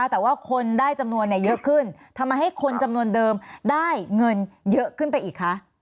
แต่ว่าคนได้จำนวนเยอะขึ้นทำให้คนจำนวนเดิมได้เงินเยอะขึ้นไปอีกคะ